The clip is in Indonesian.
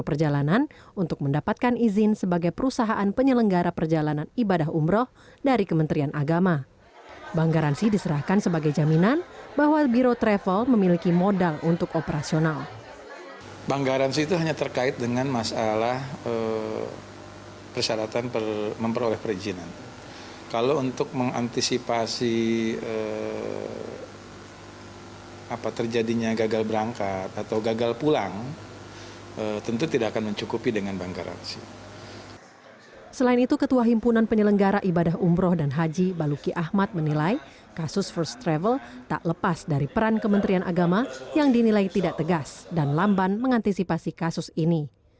pembangunan penyelenggara ibadah umroh dan haji baluki ahmad menilai kasus first travel tak lepas dari peran kementerian agama yang dinilai tidak tegas dan lamban mengantisipasi kasus ini